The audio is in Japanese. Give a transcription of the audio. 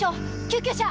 救急車！